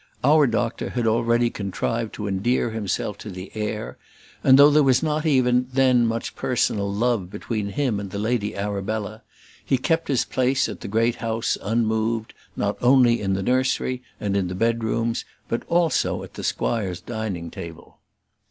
Our doctor had already contrived to endear himself to the heir; and though there was not even then much personal love between him and the Lady Arabella, he kept his place at the great house unmoved, not only in the nursery and in the bedrooms, but also at the squire's dining table.